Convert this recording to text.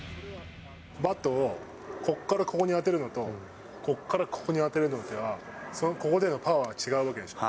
バットをここからここに当てるのと、ここからここに当てるのでは、ここでのパワーが違うでしょ。